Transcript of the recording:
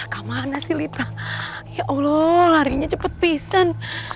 kemana sih lita ya allah harinya cepet pisan